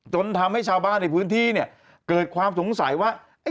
จนทำให้ชาวบ้านในพื้นที่เนี่ยเกิดความสงสัยว่า